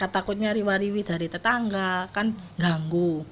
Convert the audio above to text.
takutnya riwariwi dari tetangga kan ganggu